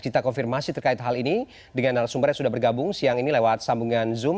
kita konfirmasi terkait hal ini dengan narasumber yang sudah bergabung siang ini lewat sambungan zoom